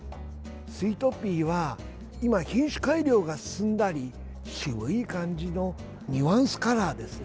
スイートピーは今、品種改良が進んだり渋い感じのニュアンスカラーですね。